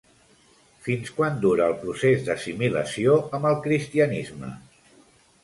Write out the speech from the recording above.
Fins quan dura el procés d'assimilació amb el cristianisme?